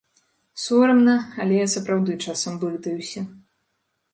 Сорамна, але я сапраўды часам блытаюся.